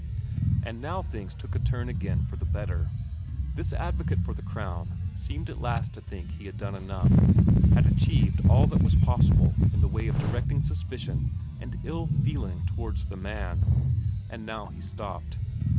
And now things took a turn again for the better. This advocate for the Crown seemed at last to think he had done enough, had achieved all that was possible in the way of directing suspicion and ill feeling towards the man; and now he stopped.